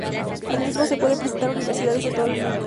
Al mismo se pueden presentar universidades de todo el mundo.